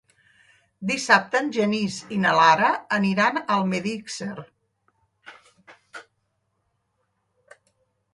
Dissabte en Genís i na Lara aniran a Almedíxer.